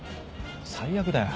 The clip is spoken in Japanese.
最悪だよ。